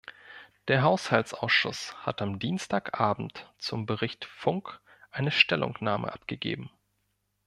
Der Haushaltsausschuss hat am Dienstag abend zum Bericht Funk eine Stellungnahme abgegeben.